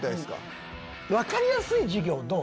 分かりやすい授業どう？